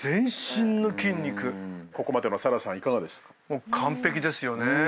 もう完璧ですよね。